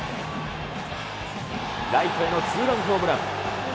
ライトへのツーランホームラン。